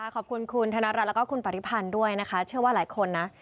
ขอบคุณคุณธนรัฐแล้วก็คุณปริพันธ์ด้วยนะคะเชื่อว่าหลายคนนะ